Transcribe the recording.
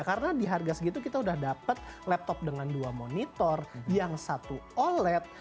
karena di harga segitu kita udah dapat laptop dengan dua monitor yang satu oled